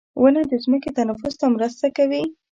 • ونه د ځمکې تنفس ته مرسته کوي.